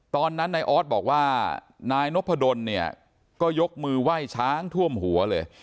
ตอนนั้นนายออสบอกว่านายนพดลเนี่ยก็ยกมือไหว้ช้างท่วมหัวเลย